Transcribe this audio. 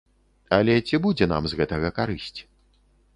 Але ці будзе нам з гэтага карысць?